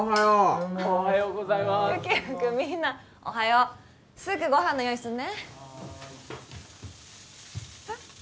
みんなおはようすぐご飯の用意するねえっ？